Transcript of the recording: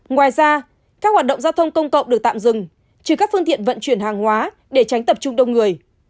ngoài ra các hoạt động giao thông công cộng được tạm dừng trừ các phương tiện vận chuyển hàng hóa để tránh tập trung đông người